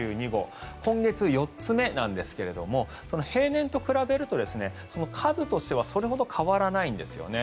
今月４つ目なんですが平年と比べると数としてはそれほど変わらないんですね。